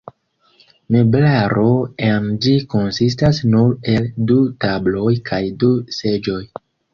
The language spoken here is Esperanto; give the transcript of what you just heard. Meblaro en ĝi konsistas nur el du tabloj kaj du seĝoj.